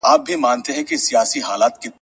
اول وړاندي که سلام او بیا کلام